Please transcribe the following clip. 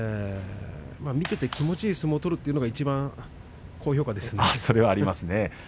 見てて気持ちのいい相撲を取るというのがいちばん高評価ですね。